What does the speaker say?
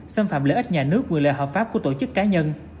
xâm phạm lợi ích nhà nước quyền lợi hợp pháp của tổ chức cá nhân